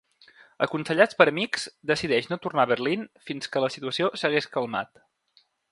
Aconsellat per amics, decideix no tornar a Berlín fins que la situació s'hagués calmat.